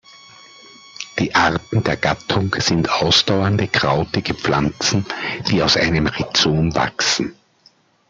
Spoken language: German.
Die Arten der Gattung sind ausdauernde, krautige Pflanzen, die aus einem Rhizom wachsen.